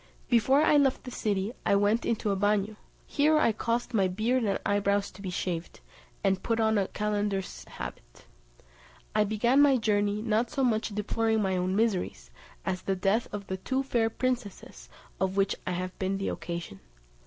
Before I left the city I went into a bagnio, here I caused my beard and eyebrows to be shaved, and put on a calender's habit. I began my journey, not so much deploring my own miseries, as the death of the two fair princesses, of which I have been the occasion.